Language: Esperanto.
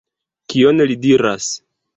Kion li diras?